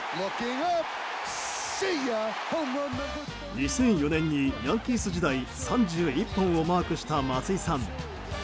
２００４年、ヤンキース時代に３１本をマークした松井さん。